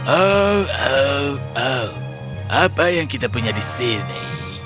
oh oh oh apa yang kita punya di sini